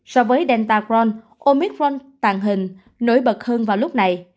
so với delta crohn omicron tàng hình nổi bật hơn vào lúc này